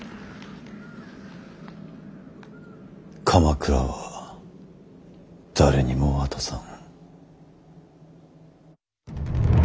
鎌倉は誰にも渡さん。